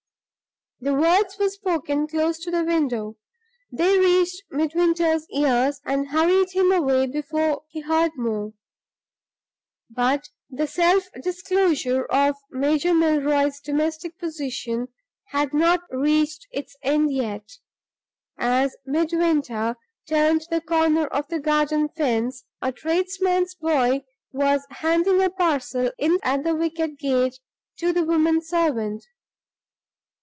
The words were spoken close to the window; they reached Midwinter's ears, and hurried him away before he heard more. But the self disclosure of Major Milroy's domestic position had not reached its end yet. As Midwinter turned the corner of the garden fence, a tradesman's boy was handing a parcel in at the wicket gate to the woman servant.